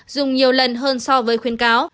dùng nhiều lần hơn so với khuyến cáo